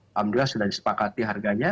alhamdulillah sudah disepakati harganya